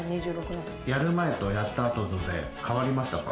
やる前とやった後で変わりましたか？